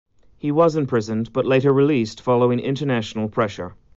He was imprisoned, but later released following international pressure.